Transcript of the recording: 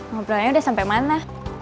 ngobrolnya udah sampe mana